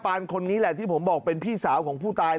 คนนี้แหละที่ผมบอกเป็นพี่สาวของผู้ตาย